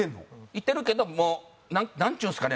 いてるけどもうなんちゅうんですかね？